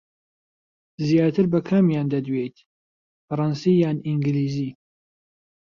زیاتر بە کامیان دەدوێیت، فەڕەنسی یان ئینگلیزی؟